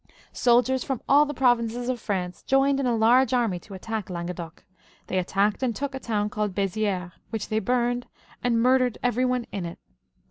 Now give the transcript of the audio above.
Soldiers from all the provinces of France joined in a large army to attack Languedoc. They attacked and took a town called Beziers, which they burned, and murdered every one in it.